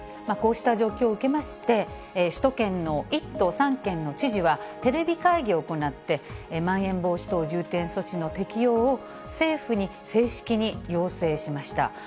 こうした状況を受けまして、首都圏の１都３県の知事はテレビ会議を行って、まん延防止等重点措置の適用を政府に正式に要請しました。